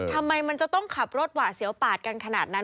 ทำไมมันจะต้องขับรถหวะเสียวปาดกันขนาดนั้น